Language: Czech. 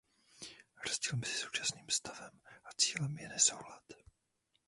Rozdíl mezi současným stavem a cílem je „nesoulad“.